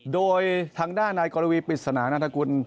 โดยทางด้านนายกรวีปริศนานันทกุล